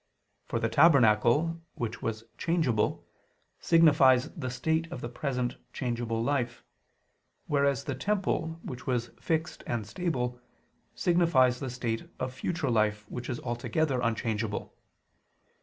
For the tabernacle, which was changeable, signifies the state of the present changeable life: whereas the temple, which was fixed and stable, signifies the state of future life which is altogether unchangeable.